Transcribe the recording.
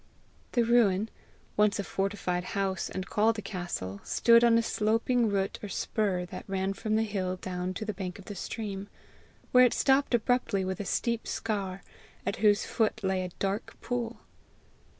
The ruin, once a fortified house and called a castle, stood on a sloping root or spur that ran from the hill down to the bank of the stream, where it stopped abruptly with a steep scaur, at whose foot lay a dark pool.